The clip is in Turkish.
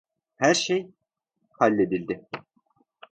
Her şey halledildi.